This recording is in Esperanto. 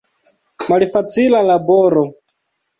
Malfacila laboro!